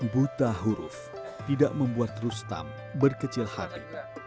buta huruf tidak membuat rustam berkecil hati